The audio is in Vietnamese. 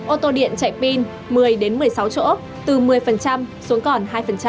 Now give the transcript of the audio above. ô tô điện chạy pin một mươi một mươi sáu chỗ từ một mươi xuống còn hai